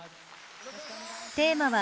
テーマは